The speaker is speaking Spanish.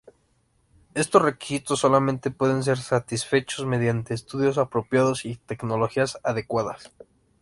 Estos requisitos solamente pueden ser satisfechos mediante estudios apropiados y tecnologías adecuadas.